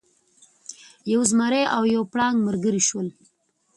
یو زمری او یو پړانګ ملګري شول.